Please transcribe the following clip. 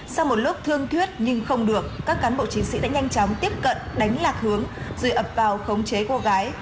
sau một lúc thương thuyết nhưng không được các cán bộ chiến sĩ đã nhanh chóng tiếp cận đánh lạc hướng rồi ập vào khống chế cô gái